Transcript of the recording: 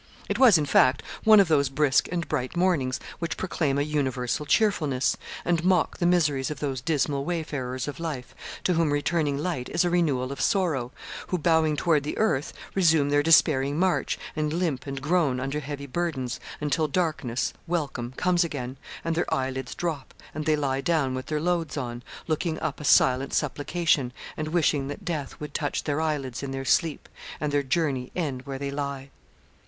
It was, in fact, one of those brisk and bright mornings which proclaim a universal cheerfulness, and mock the miseries of those dismal wayfarers of life, to whom returning light is a renewal of sorrow, who, bowing toward the earth, resume their despairing march, and limp and groan under heavy burdens, until darkness, welcome, comes again, and their eyelids drop, and they lie down with their loads on, looking up a silent supplication, and wishing that death would touch their eyelids in their sleep, and their journey end where they lie.